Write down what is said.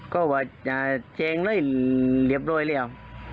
ก็ว่าอ่าเจ๋งเลยเลียบโดยแล้ว